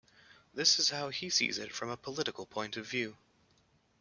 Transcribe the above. This is how he sees it from a political point of view.